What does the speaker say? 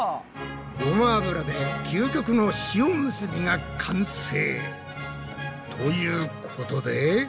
ごま油で究極の塩むすびが完成！ということで。